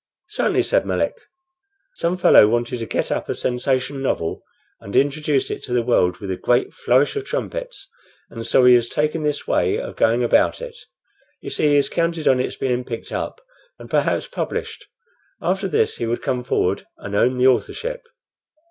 "Certainly," said Melick. "Some fellow wanted to get up a sensation novel and introduce it to the world with a great flourish of trumpets, and so he has taken this way of going about it. You see, he has counted on its being picked up, and perhaps published. After this he would come forward and own the authorship."